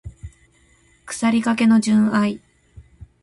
腐りかけの純愛